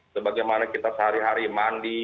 sebagaimana kita sehari hari mandi